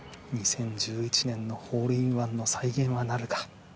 ２０１１年のホールインワンの再現はなるか